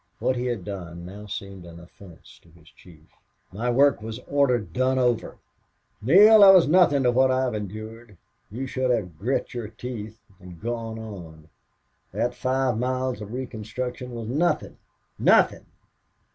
What he had done now seemed an offense to his chief. "My work was ordered done over!" "Neale, that was nothing to what I've endured. You should have grit your teeth and gone on. That five miles of reconstruction was nothing nothing."